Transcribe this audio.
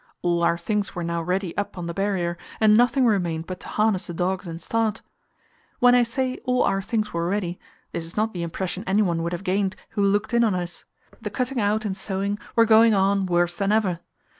All our things were now ready up on the Barrier, and nothing remained but to harness the dogs and start. When I say all our things were ready, this is not the impression anyone would have gained who looked in on us; the cutting out and sewing were going on worse than ever.